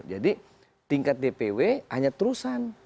jadi tingkat dpw hanya terusan